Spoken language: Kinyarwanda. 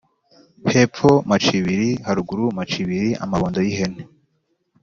Hepfo macibiri haruguru macibiri-Amabondo y'ihene.